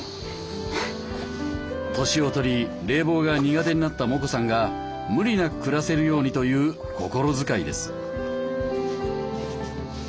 年を取り冷房が苦手になったモコさんが無理なく暮らせるようにという心遣いです。